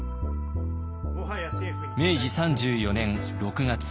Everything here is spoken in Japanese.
明治３４年６月。